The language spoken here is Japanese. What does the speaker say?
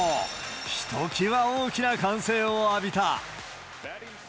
ひときわ大きな歓声を浴びた。